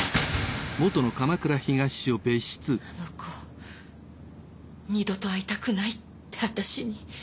あの子二度と会いたくないって私に。